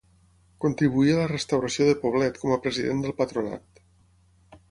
Contribuí a la restauració de Poblet com a president del patronat.